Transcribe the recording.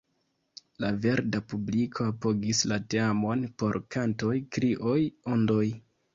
La verda publiko apogis la teamon per kantoj, krioj, ondoj.